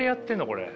これ。